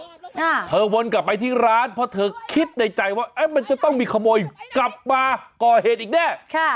ค่ะเธอวนกลับไปที่ร้านเพราะเธอคิดในใจว่าเอ๊ะมันจะต้องมีขโมยกลับมาก่อเหตุอีกแน่ค่ะ